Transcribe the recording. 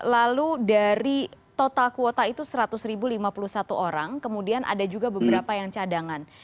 lalu dari total kuota itu seratus lima puluh satu orang kemudian ada juga beberapa yang cadangan